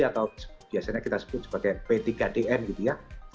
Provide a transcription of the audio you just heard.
atau biasanya kita sebut sebagai p tiga dm gitu ya